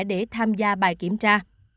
để tham gia bài kiểm tra